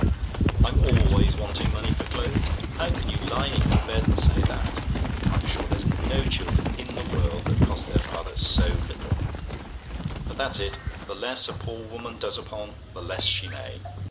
"I'M ALWAYS WANTING MONEY FOR CLOTHES? "How can you lie in your bed and say that? I'm sure there's no children in the world that cost their father so little: but that's it; the less a poor woman does upon, the less she may.